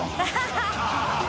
ハハハ